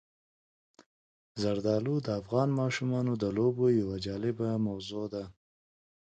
زردالو د افغان ماشومانو د لوبو یوه جالبه موضوع ده.